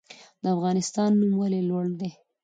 د افغانستان نوم ولې لوړ دی؟